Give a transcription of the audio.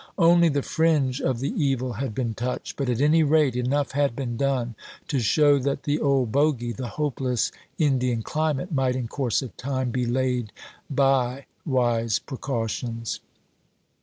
Only the fringe of the evil had been touched; but at any rate enough had been done to show that the old bogey, "the hopeless Indian climate," might in course of time be laid by wise precautions.